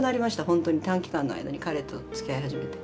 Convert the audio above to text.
ほんとに短期間の間に彼とつきあい始めて。